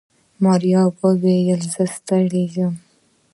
ماريا وويل زه ستړې يم.